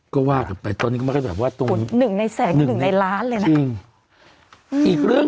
ก็ว่ากันไปตอนนี้มันก็แบบว่าตรง